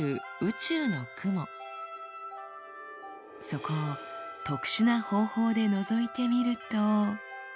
そこを特殊な方法でのぞいてみると。